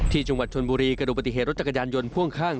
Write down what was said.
ที่จังหวัดชนบุรีกระดูกปฏิเหตุรถจักรยานยนต์พ่วงข้าง